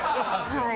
はい。